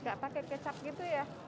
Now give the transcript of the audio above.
gak pakai kecap gitu ya